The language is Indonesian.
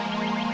nanti ya bang